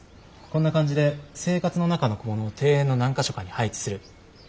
こんな感じで生活の中の小物を庭園の何か所かに配置する。